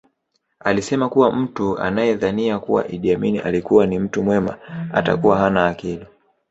Alisema kuwa mtu anayedhania kuwa Idi Amin alikuwa ni mtu mwema atakuwa hana akili